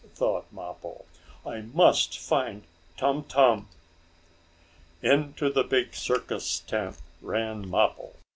thought Mappo. "I must find Tum Tum!" Into the big circus tent ran Mappo.